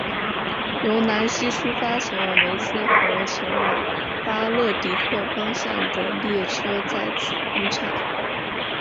由南锡出发前往梅斯和前往巴勒迪克方向的列车在此分岔。